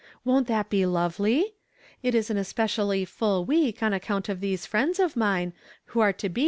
Won't that be lovely ? It is an especially full week on account of these friends of mine, who are to he.